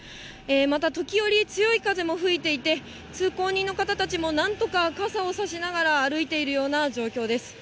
また時折強い風も吹いていて、通行人の方たちも、なんとか傘を差しながら歩いているような状況です。